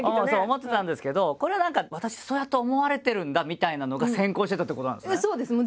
思ってたんですけどこれは何か私そうやって思われてるんだみたいなのが先行してたってことなんですね。